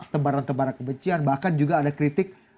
tembaran tembaran kebencian bahkan juga ada kritik